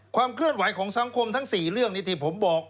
ความเคลื่อนไหวของสังคมทั้ง๔เรื่องนี้ที่ผมบอก